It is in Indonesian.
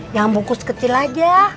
jangan bungkus kecil aja